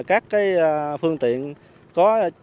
có những phương tiện đường thủy